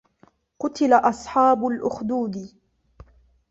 قُتِلَ أَصحابُ الأُخدودِ